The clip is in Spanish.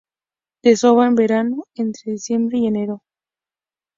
Desova en verano, entre diciembre y enero.